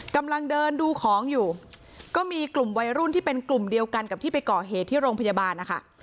กำลังเดินดูของอยู่ก็มีกลุ่มวัยรุ่นที่เป็นกลุ่มเดียวกันกับที่ไปก่อเหตุที่โรงพยาบาลนะคะ